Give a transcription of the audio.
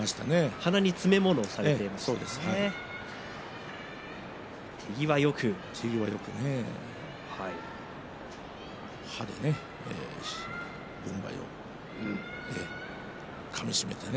鼻に詰めものをされていましたね。